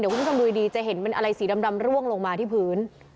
เดี๋ยวคุ้นคำดูดีจะเห็นเป็นอะไรสีดำร่วงลงมาที่พื้น